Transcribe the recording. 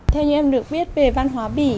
theo như em được biết về văn hóa bỉ